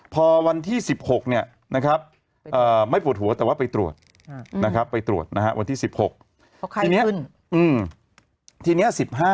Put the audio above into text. พอวันที่๑๖เนี่ยนะครับไม่ปวดหัวแต่ว่าไปตรวจนะครับวันที่๑๖